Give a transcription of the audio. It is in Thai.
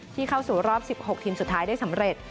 เข้าสู่รอบ๑๖ทีมสุดท้ายได้สำเร็จ